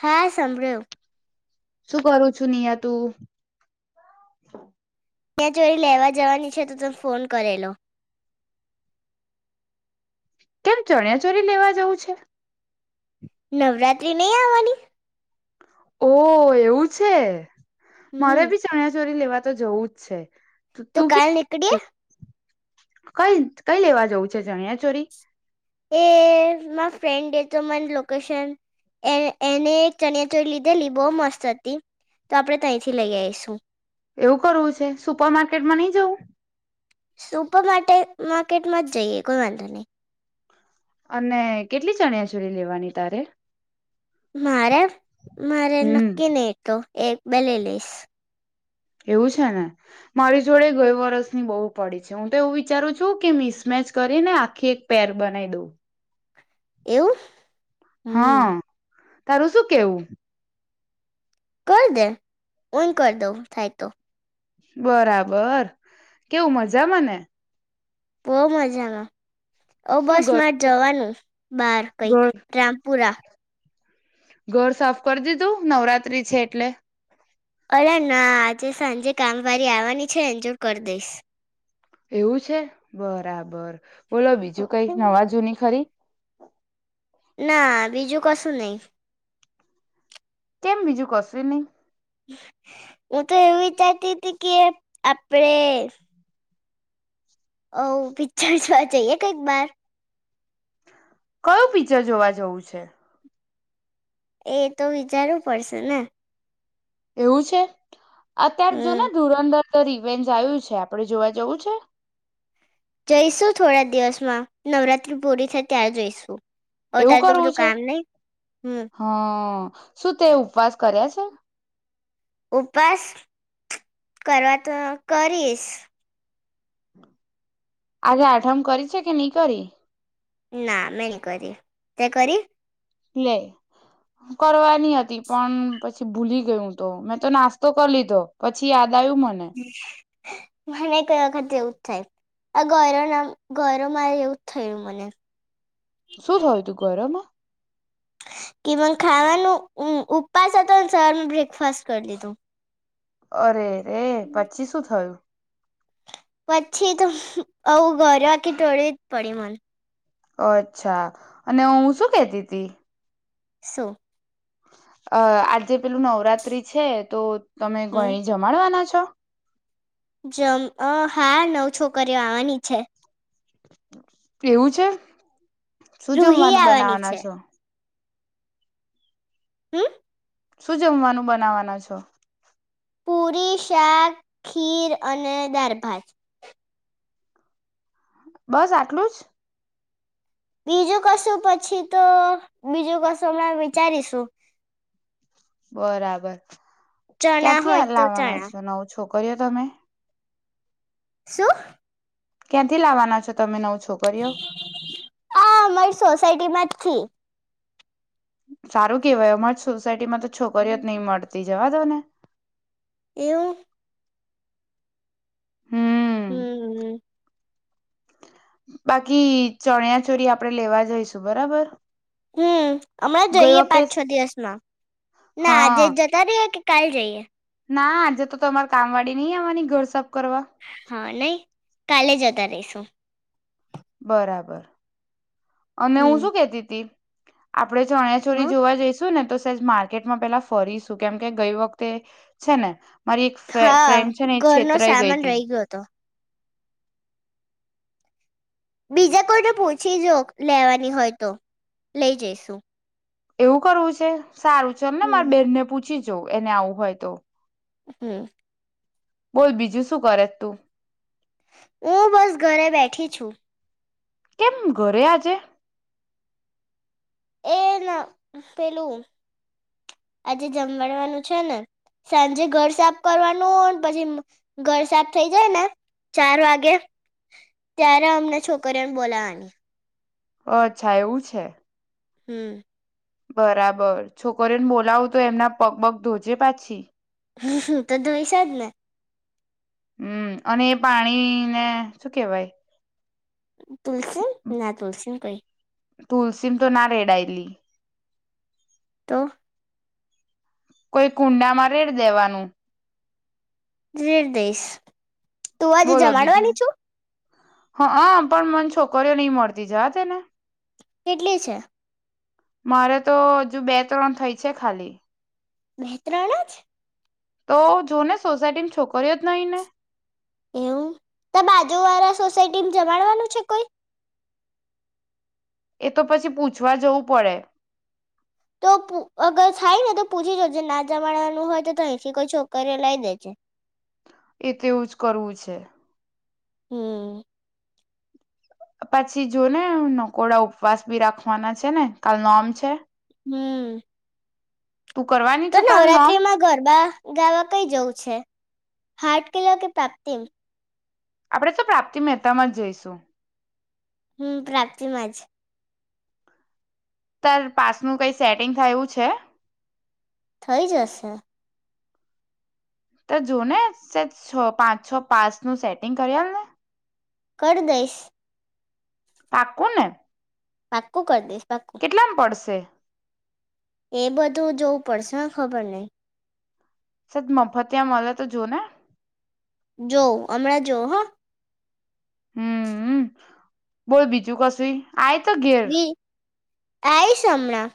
હા સાંભળ્યો. શું કરું છું? નિય તું ચણીયા ચોળી લેવા જવાની છે. તો તમે ફોન કરેલો. કેમ ચણિયાચોરી લેવા જવું છે. નવરાત્રી નઈ આવાની. ઓ એવું છે. મારે હમ બી ચણ્યાચોરી લેવા તો જવું જ છે. તો તું કાલ નીકડીયે. ક્યાં કઈ કઈ લેવા જવું છે? ચણ્યાચોરી. એ મા ફ્રેન્ડે તો મને લોકેશન એ એને ચણ્યા ચોરી લીધેલી બહુ મસ્ત હતી તો આપણેે તયથી લઈ આવીઈશું. એવું કરવું છે. સુપર માર્કેટમાં નઈ જવું? સુપર માટે માર્કેટમાં જ જઈએ કોઈ વાંધો નઈ. અને કેટલી ચણિયા ચોરી લેવાની તારે? મારે મારે હમ નક્કી નઈ તો. એક-બે લેલીસ. એવું છે ને મારી જોડે ગઈ વરસની બહુ પડી છે. હું તો એવું વિચારું છું કે મિસમેચ કરીને આખી એક પેર બનાવી દઉં. એવું? હમ હા. તારું શું કેવું? કર દે. હુંય કર દઉં થાય તો. બરાબર. કેવું મજામાંને? બઉ મજામાં. ઓ શું બસ માં ઘર જવાનું બાર કંઈક રામપુરા. ઘર સાફ કરી દીધું નવરાત્રી છે એટલે. અલા ના આજે સાંજે કામવારી આવવાની છે એન જો કરી દઈશ. એવું છે બરાબર બોલો બીજું કઈક નવા જૂની ખરી ના બીજું કશું નહી. કેમ બીજું કશું નહી. હું તો એવું વિચારતી હતી કે આપડે. ઓ પિક્ચરસ વા જઈએ કઈક બાર કયુ પિક્ચર જોવા જવું છે? એ તો વિચારવું પડશે ને. એવું છે. અત્યાર જો હમ ને ધુરંધર ઉતર ઇવેન્ટ આવ્યું છે આપડે જોવા જવું છે જઈશું થોડા દિવસમાં નવરાત્રી પૂરી થાય ત્યારે જઈશું. એવું અત્યારે તો બધું કરવું છે કામ નહીં હમ હ શું તે ઉપવાસ કર્યા છે? ઉપવાસ કરવા તો કરીશ. આજે આઠમ કરી છે કે નહી કરી? ના મેં ની કરી. તે કરી? લે કરવાની હતી પણ પછી ભૂલી ગયું તો મેં તો નાસ્તો કરી લીધો પછી યા દ આયુ મને. મને કઈ વખત જેવું જ થાય આ ગરો ના ગરો મારે એવું જ થયું મને શું થયું તું ઘરામાં? કે ખાવાનું ઉપવાસ હતો સવારમાં બ્રેકફાસ્ટ કરી લીધું. અરે. એ પછી શું થયું? પછી તો આવું ગર કે ટોળે જ પડી મને અચ્છા અને હું શું કેતીતી. સો અ આજે પેલું નવરાત્રી છે તો તમે હમ કોઈ જમાડવાના છો? જમ હા નવ છોકરીઓ આવાની છે. એવું છે. શું રૂહી જમવાનું આવવાની છે બનાવાના છો? હમ્મ. શું જમવાનું બનાવાના છો? પૂરી શાક ખીર અને દાળ ભાત. બસ આટલું જ. બીજું કશું પછી તો બીજું કશું હમણાં વિચારીશું. બરાબર. ચણા ક્યાંથી હોય તો લાવવાના ચણા છે નવો છોક કર તમે. શું. ક્યાંથી લાવવાના છો તમે નવ. છોકરીઓ હા અમારી સોસાયટી માં પથી. સારું કેવાય અમાંર જ સોસાયટીમાં તો. છોકરીય નહીં મળતી. જવા દો ને. એવું. હમ હ. બાકી ચણ્યા ચોરી આપડે લેવા જઈશું બરાબર. હમ હમણાં ગઈ જઈએ વખતે પાંચ છ દિવસમાં ના આજે હા જ જતા ર્યા. કાલ જઈએ. ના આજે તો તમારે કામ વાળી નહી આવવાની ઘર સ. હા નહી. કાલે જતા રહીશું. બરાબર. અને હું હમ શું કેતી તી. આપણે ચણાચોરી હા જોવા જઈશું. શું ને તો સે માર્કેટમાં પેલા ફરીશું કેમ કે ગઈ વખતે છે ને. મારી એક ફે હા ફ્રેન્ડ છે ને એ ઘરનો છેતરાઈ ગઈ સામાન હતી રહી ગયો હતો. બીજા કોઈને પૂછી જો લેવાની હોય તો લઈ જઈશુ. એવું કરવું છે. સારું છે ને મારે હમ બેન ને પૂછી. જો એને આવું હોય તો. હમ. બોલ બીજું શું કરે તું. હું બસ ઘરે બેઠી છું. કેમ ઘરે આજે. એ ના પેલું આજે જમવાડવાનું છે ને સાંજે ઘર સાફ કરવાનું પછી ઘર સાફ થઈ જાય ને ચાર વાગે ત્યારે અમને છોકરીને બોલાવાની. અચ્છા એવું છે. હમ. બરાબર છોકરીને બોલાવું તો એમના પગ પગ ધોજે પાછી. હ હ તો ધોઇ એૈસા જ ને. હમ અને એ પાણીને શું કેવાય. તુલસ ના તલસ કઈ. તુલસીમ તો ના રેડાયેલી. તો. કોઈ કુંડામાં રેડ દેવાનું. રેડ દઈશ. તું આજે બોલો બીજું જમાડવાની છું. હા હ પણ મને છોકરીઓ નહી મળતી જા તેને. કેટલી છે. મારે તો હજુ બે ત્રણ થઈ છે ખાલી. મ હેત્રણા જ. તો જોને સોસાયટીની છોકરીઓ જ નહી ને એવું તો બાજુ વાળા સોસાયટીને જમાડવાનું છે કોઈ? એ તો પછી પૂછવા જવું પડે. તો પૂ અગર થાય ને તો પૂછી જોજે ના જમાડવાનું હોય તો તો અહીંથી કોઈ છોકરીઓ લાઇ દેજે. એ તેવું જ કરવું છે. હમ પછી જોને નકોડા ઉપવાસ બી રાખવાના છે ને કાલ નોમ છે. હમ. તું કરવાની તો છું કાલ નવરાત્રી નોમ માં ગરબા ગાવા કઈ જવું છે? હાર્ટ કિલો કે પ્રાપ્તિમ? આપણે તો પ્રાપ્તિ મહેતામાં જ જઈશું. હમ પ્રાપ્તિમાં જ તાર પાસનું કઈ સેટિંગ થાય એવું છે? થઈ જશે. તો જોને સેજ છ પાંચ છ પાસનું સેટિંગ કરી આલને કર દઈશ. પાકું ને? પાકું કર દઈશ. પાક્કું કેટલામ પડશે? એ બધું જોવું પડશે હહ ખબર નહીં. સજ મફત ત્યાં મલે તો જોને જો હમણાં જો હહ હમ બોલ બીજું કશુંએ? આય તો ઘેર આઈસ હમણાં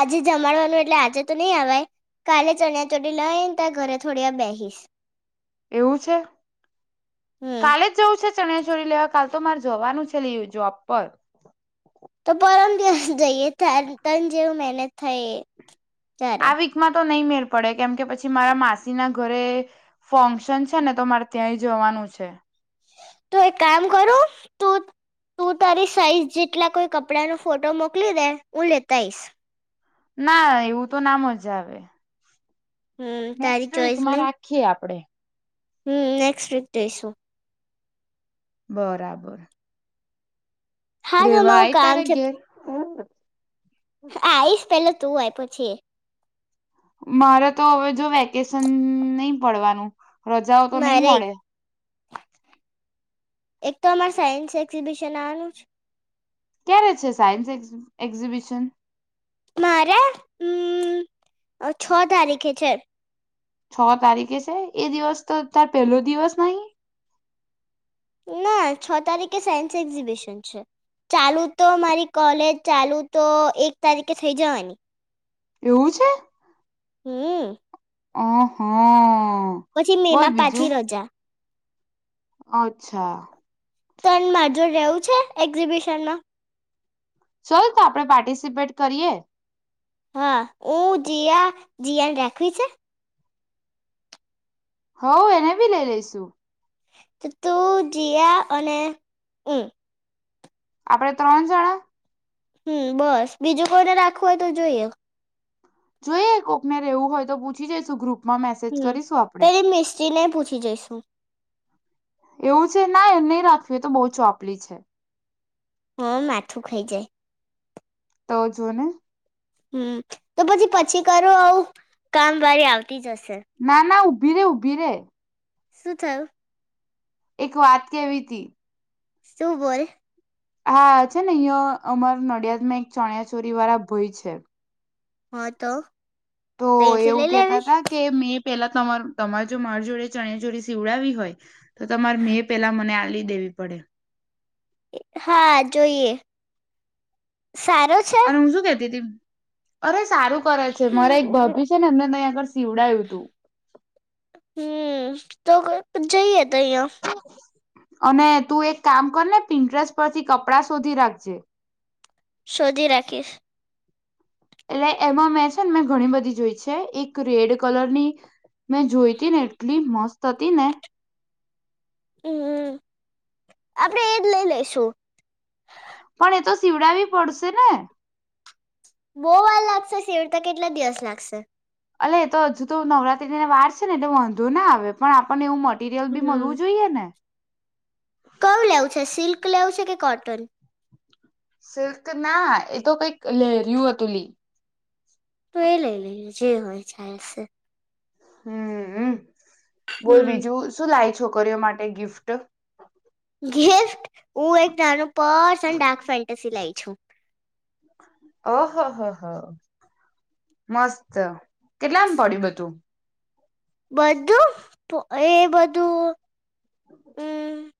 આજે જમાડવાનું એટલે આજે તો નહી અવાય કાલે ચણ્યા ચોટી લઇને તારે ઘરે થોડી વાર બેહીશ. એવું છે હમ કાલે જ જવું છે? ચણીયા ચોળી લેવા કાલ તો મારે જવાનું છે અલી જોબ પર. તો પરમ દિવસ જઈએ તાર તન જેમ મેનેજ થઈ એમ આ વીકમાં તો નહીં મેળ પડે કેમ કે પછી મારા માસી ના ઘરે ફંક્શન છે ને તો મારે ત્યાં એ જવાનું છે. તો એક કામ કરું તું તું તારી સાઈઝ જેટલા કોઈ કપડાનો ફોટો મોકલી દે હું લેતાઈશ. ના એવું તો ના મજા આવે. હમ તારી નેક્સ્ટ ચોઈસ વીકમાં નહી રાખીએ આપડે હમ નેક્સ્ટ વીક જઈશું. બરાબર. હા તો રેવા આય તારે ઘેર હા આઈસ પેલે તું હોય પછી. મારે તો હવે જો વેકેશન નહી પડવાનું. રજાઓ તો નહીં મારે મળે. એક તો અમારે સાયન્સ એક્ઝિબિશન આવાનું છે. ક્યારે છે સાયન્સ એક્ઝિબિશન? મારા હમ છ તારીખે છે. છ તારીખે છે? એ દિવસ તો અ તાર પેલો દિવસ નહી? ના છ તારીખે સાયન્સ એક્ઝિબિશન એવું છે? હમ આહા પછી મેમાં પાછી રજા. અચ્છા. તણ મા જોડે રહેવું છે? એક્ઝિબિશન માં. ચાલ તો આપડે પાર્ટિસિપેટ કરીએ. હા હું જિયા, જીયાને રાખવી છે? હ એને ભી લઈ લેશું. તો તું, જિયા અને હું. આપડે ત્રણ જણા? હમ બસ બીજું કોઈને રાખવું હોય તો જોઈએ. જોઈએ કોકને રહેવું હોય તો પૂછી જોઈશું ગ્રુપ હમ પલી મીસ્ટીને પૂછી જઈશુ. એવું છે. ના નહી રાખવી એ તો બહુ ચોપલી છે. બો માથું ખાઈ જાય. તો જો ને હમ તો પછી, પછી કરો આવું કામ વાળી આવતી જશે. ના ના [unintelligible] ઉભી રે, ઉભી રે શું થયું? એક વાત કેવી તી. શું બોલ? હા છે, ને અહીંયા અમારા નડિયાદમાં એક ચણિયા ચોરી વાળા ભાઈ છે. હા તો? તો ત્યાંથી એવું લઈ કેતા લેવી હતા. કે મે પેલા તમા તમારે જો માર જોડે ચણ ચોળી સીવડાવી હોય? તો તમારે મેં પેલા મને આલી દેવી પડે. હા જોઈએ. સારો છે અને હું શું કેતી હતી. અરે સારું કરે છે. મારા એક ભાભી છે, ને એમને તહીં આગળ સીવડાયું હતું. હમ તો [unintelligible] જ એ તિયા અને તું એક કામ કર ને પિંક ડ્રેસ પરથી કપડા શોધી રાખજે. શોધી રાખીશ. એટલે એમાં મેં છે. ને મેં ઘણી બધી જોઈ છે, એક રેડ કલરની મેં જોઈતી ને એટલી મસ્ત થતી ને હમ આપડે એજ લઈ લઈેશું. પણ એ તો સીવડાવી પડશે ને! બહુ વાર લાગશે શીવતા કેટલા દિવસ લાગશે? અ એ તો હજુ તો નવરાત્રી ને વાર છે, ને એટલે વાંધો ના આવે, પણ આપણને એવું મ મટરિયલ બી હમ મળવું જોઈએ ને! કયું લેવું છે સિલ્ક લેવું છે કે કોટન? સિલ્ક ના એ તો કઈક લહેરય્યું હતું લઈ. તો એ લઈ લઈ જે હોય એ‌ ચાલશે. હમ હમ. બોલ હમ બીજું શું લાય છો? છોકરીઓ માટે ગિફ્ટ ગિફ્ટ હું એક નાનું પર્સ અને ડાર્ક ફેન્ટસિ લાઈ છું. ઓહ હ હ મસ્ત કેટલામ પડ્યું બધું? બધું એ બધું હમ.